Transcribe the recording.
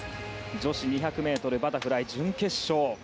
女子２００ｍバタフライ準決勝。